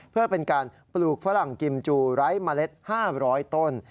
เพื่อเป็นการปลูกฝรั่งกิมจูไร้เมล็ด๕๐๐ต้น